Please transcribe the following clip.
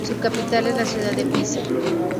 Su capital es la ciudad de Pisa.